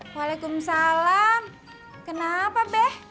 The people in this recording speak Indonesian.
waalaikumsalam kenapa beh